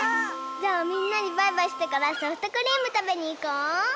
じゃあみんなにバイバイしてからソフトクリームたべにいこう！